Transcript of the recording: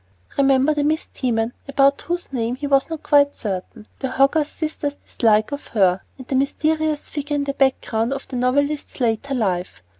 Remember the Miss "Teman," about whose name he was not quite certain; the Hogarth sisters' dislike of her; and the mysterious figure in the background of the novelist's later life.